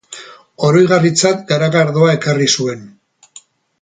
Oroigarritzat garagardoa ekarri zuen.